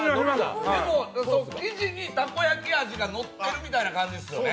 でも、生地にたこ焼味が乗ってる感じですよね。